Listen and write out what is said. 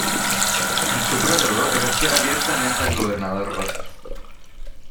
En su prólogo, elogiaba abiertamente al gobernador Rosas.